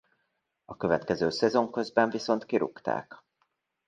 A következő szezon közben viszont kirúgták.